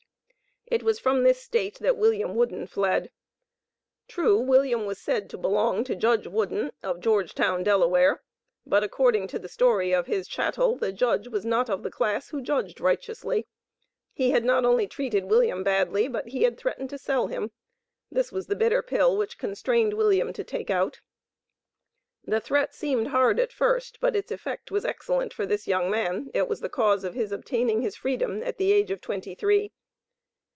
It was from this State, that William Wooden fled. True, William was said to belong to Judge Wooden, of Georgetown, Del., but, according to the story of his "chattel," the Judge was not of the class who judged righteously. He had not only treated William badly, but he had threatened to sell him. This was the bitter pill which constrained William to "take out." The threat seemed hard at first, but its effect was excellent for this young man; it was the cause of his obtaining his freedom at the age of twenty three.